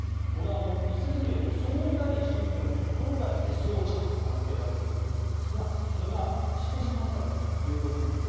一説によると総理大臣というところがから来てそうちゃんと名付けられているようなんですが死んでしまったということです。